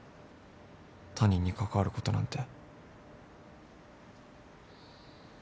他人に関わることなんて。